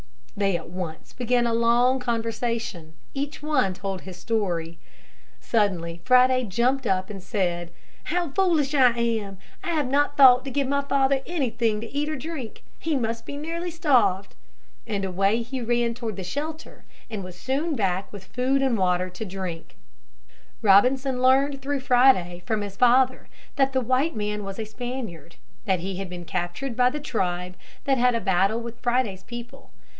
They at once began a long conversation, each one told his story. Suddenly Friday jumped up and said, "How foolish I am, I have not thought to give my father anything to eat and drink. He must be nearly starved." And away he ran toward the shelter and was soon back with food and water to drink. [Illustration: FRIDAY AND HIS FATHER] Robinson learned through Friday from his father that the white man was a Spaniard, that he had been captured by the tribe that had a battle with Friday's people.